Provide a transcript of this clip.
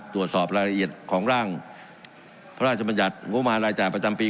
ตรวจสอบรายละเอียดของร่างพระราชบัญญัติงบประมาณรายจ่ายประจำปี